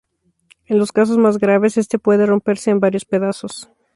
En los casos más graves, este puede romperse en varios pedazos.